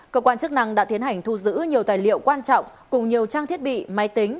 cơ quan chức năng đã tiến hành thu giữ nhiều tài liệu quan trọng cùng nhiều trang thiết bị máy tính